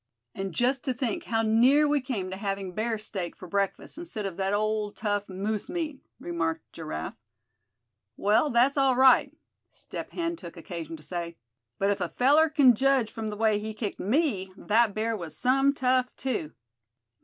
"And just to think how near we came to having bear steak for breakfast, instead of that old tough moose meat," remarked Giraffe. "Well, that's all right," Step Hen took occasion to say; "but if a feller c'n judge from the way he kicked me, that bear was some tough too.